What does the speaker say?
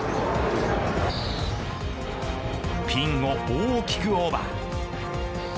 ピンを大きくオーバー。